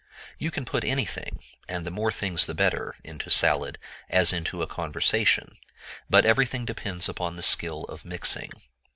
You can put anything, and the more things the better, into salad, as into a conversation; but everything depends upon the skill of mixing.